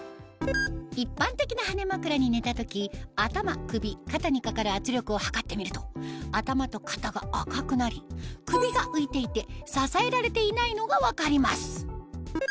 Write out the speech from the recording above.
一般的な羽根まくらに寝た時頭首肩にかかる圧力を測ってみると頭と肩が赤くなり首が浮いていて支えられていないのが分かります